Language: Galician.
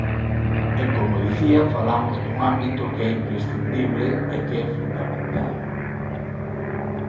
E, como dicía, falamos dun ámbito que é imprescindible e que é fundamental.